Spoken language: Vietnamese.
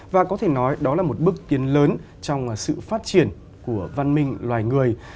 và có thể nói đó là một bước tiến lớn trong sự phát triển của văn minh loài người